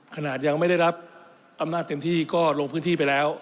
ขนาดยังไม่ได้รับอำนาจเต็มที่ก็ลงพื้นที่ไปแล้ว